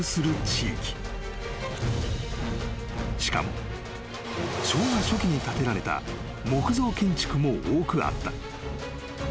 ［しかも昭和初期に建てられた木造建築も多くあった］